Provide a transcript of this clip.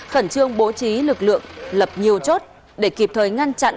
khẩn trương bố trí lực lượng lập nhiều chốt để kịp thời ngăn chặn